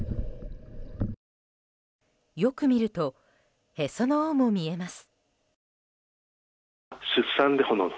よく見るとへその緒も見えます。